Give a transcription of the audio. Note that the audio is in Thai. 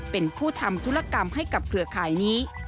เป็นผู้ทำธุรกรรมให้กับเครือข่ายนี้